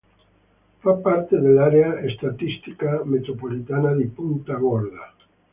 Fa parte dell'area statistica metropolitana di Punta Gorda.